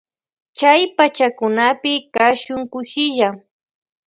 Chay pachakunapi kashun kushilla.